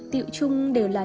tiệu chung đều là